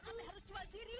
tapi harus jual diri